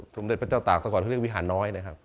สมเด็จพระเจ้าตากตะก่อนเขาเรียกวิหารน้อยนะครับ